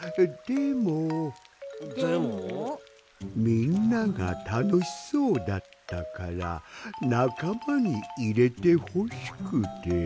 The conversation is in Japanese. みんながたのしそうだったからなかまにいれてほしくて。